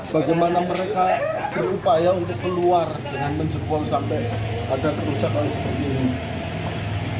bagaimana mereka berupaya untuk keluar dengan menjebol sampai ada kerusakan seperti ini